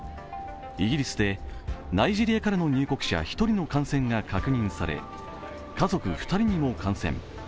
イギリスで、ナイジェリアからの入国者１人の感染が確認され、家族２人にも感染。